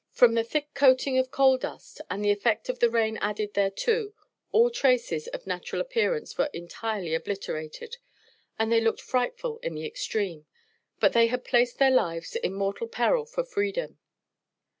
From the thick coating of coal dust, and the effect of the rain added thereto, all traces of natural appearance were entirely obliterated, and they looked frightful in the extreme. But they had placed their lives in mortal peril for freedom.